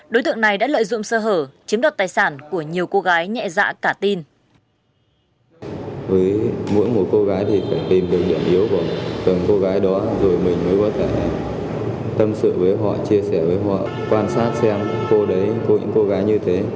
đối tượng này đã lợi dụng sơ hở chiếm đoạt tài sản của nhiều cô gái nhẹ dạ cả tin